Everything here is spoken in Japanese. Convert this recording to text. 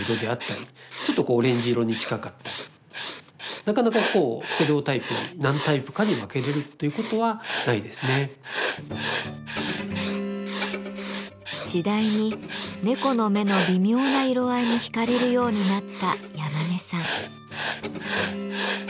なかなかこうステレオタイプに次第に猫の目の微妙な色合いに惹かれるようになった山根さん。